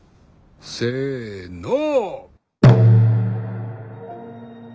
せの！